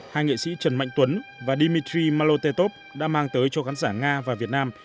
hai nghệ sĩ trần mạnh tuấn và dimitri malotetov đã mang tới cho khán giả nga và việt nam